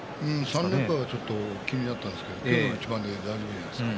３連敗はちょっと気になったんですけれど今日の一番で大丈夫じゃないですか。